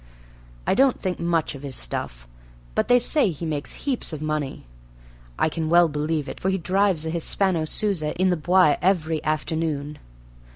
I don't think much of his stuff, but they say he makes heaps of money. I can well believe it, for he drives a Hispano Suiza in the Bois every afternoon.